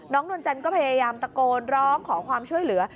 นวลจันทร์ก็พยายามตะโกนร้องขอความช่วยเหลือ